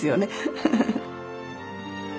フフフッ。